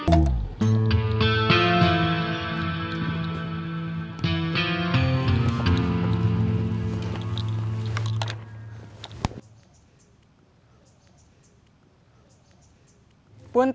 pengen sampe lihat